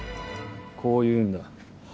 こう言うんだ。